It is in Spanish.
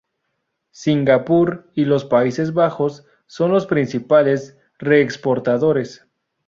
Singapur y los Países Bajos son los principales re-exportadores.